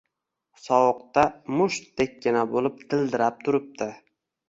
Sovuqda mushtdekkina bo‘lib dildirab turibdi.